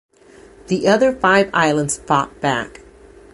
The other five islands fought back.